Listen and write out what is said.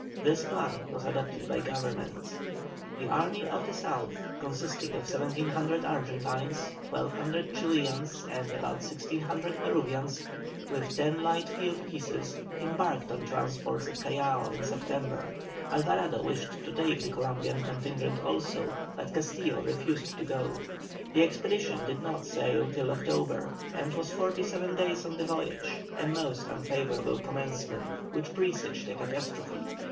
This plan was adopted by Government. The Army of the South, consisting of 1,700 Argentines, 1,200 Chilians, and about 1,600 Peruvians, with ten light field pieces, embarked on transports at Callao in September. Alvarado wished to take the Columbian contingent also, but Castillo refused to go. The expedition did not sail till October, and was fifty seven days on the voyage; a most unfavourable commencement which presaged a catastrophe.